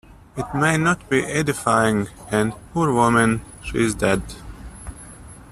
It might not be edifying and, poor woman, she is dead.